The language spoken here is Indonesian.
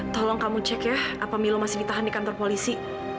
tolong kamu cek ya apabila masih ditahan di kantor polisi